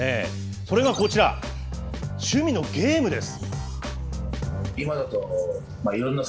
それがこちら、趣味のゲームです。